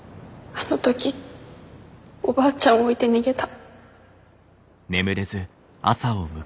あの時おばあちゃんを置いて逃げた。